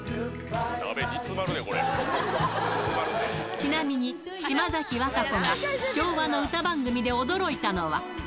ちなみに、島崎和歌子が昭和の歌番組で驚いたのは。